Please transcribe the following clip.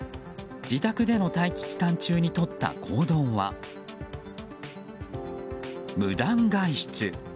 自宅での待機期間中にとった行動は無断外出。